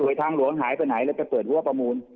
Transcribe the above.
ทางหลวงหายไปไหนแล้วไปเปิดหัวประมูล